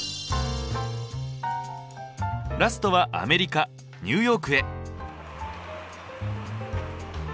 ラストはアメリカニューヨークへ。